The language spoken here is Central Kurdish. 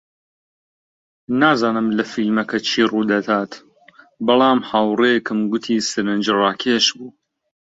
نازانم لە فیلمەکە چی ڕوودەدات، بەڵام هاوڕێکەم گوتی سەرنجڕاکێش بوو.